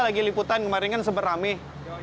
lagi liputan kemarin kan seberrame